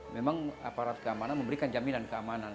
memang aparat keamanan memberikan jaminan keamanan